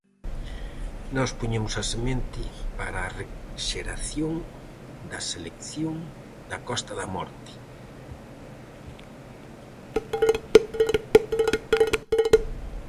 Nós poñemos a semente para a re-xeración da selección da Costa da Morte.